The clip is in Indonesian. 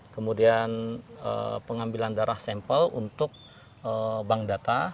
kemudian pengambilan darah sampel untuk bank data